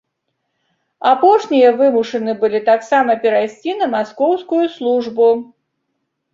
Апошнія вымушаны былі таксама перайсці на маскоўскую службу.